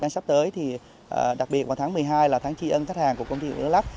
sắp tới đặc biệt vào tháng một mươi hai là tháng tri ân khách hàng của công ty điện lực lắk